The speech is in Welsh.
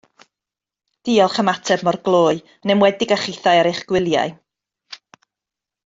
Diolch am ateb mor gloi, yn enwedig a chithau ar eich gwyliau